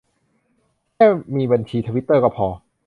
แค่มีบัญชีทวิตเตอร์ก็พอ